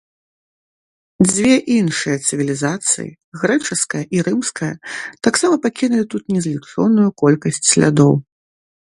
Дзве іншыя цывілізацыі, грэчаская і рымская, таксама пакінулі тут незлічоную колькасць слядоў.